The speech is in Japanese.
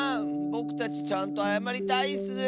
ぼくたちちゃんとあやまりたいッス！